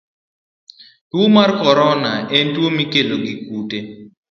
Tuo mar korona en tuwo mikelo gi kute.